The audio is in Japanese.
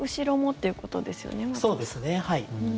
そうですね、はい。